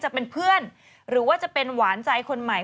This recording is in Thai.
จะเป็นเพื่อนหรือว่าจะเป็นหวานใจคนใหม่